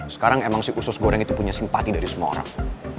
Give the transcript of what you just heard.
sekarang emang si usus goreng itu punya simpati dari semua orang